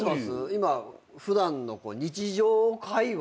今普段の日常会話。